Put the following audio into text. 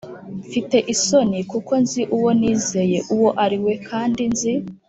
Mfite isoni kuko nzi uwo nizeye uwo ari we kandi nzi.